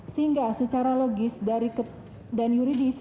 sehingga secara logis dan yuridis